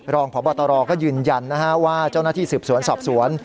รองพบตรก็ยืนยันนะฮะว่าเจ้าหน้าที่สืบสวนสอบสวน